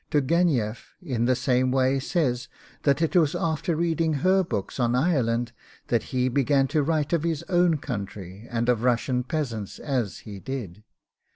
Tourgenieff in the same way says that it was after reading her books on Ireland that he began to write of his own country and of Russian peasants as he did.